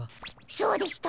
そうでした。